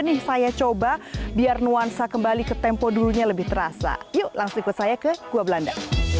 nih saya coba biar nuansa kembali ke tempo dulunya lebih terasa yuk langsung ikut saya ke gua belanda